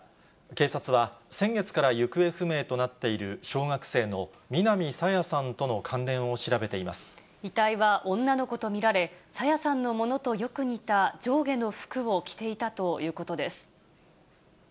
警察は先月から行方不明となっている小学生の南朝芽さんとの関連遺体は女の子と見られ、朝芽さんのものとよく似た上下の服を着ていたということです。